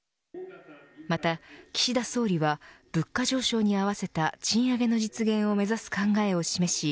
また、岸田総理は物価上昇に合わせた賃上げの実現を目指す考えを示し